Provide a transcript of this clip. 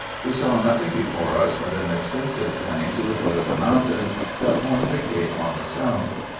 We saw nothing before us but an extensive plain to the foot of the mountain that formed the cape on the south.